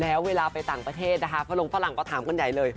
แล้วเวลาไปต่างประเทศนะคะฝรงฝรั่งก็ถามกันใหญ่เลย